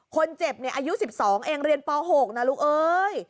คนเจ็บเนี่ยอายุสิบสองเองเรียนป่าวหกนะลูกเอ้ย